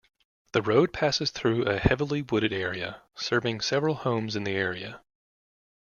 The road passes through a heavily wooded area, serving several homes in the area.